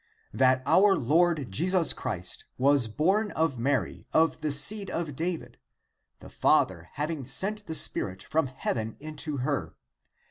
That our Lord Jesus Christ was born of Mary i3 of the seed of David,^* the Father having sent the spirit from heaven into her, 6.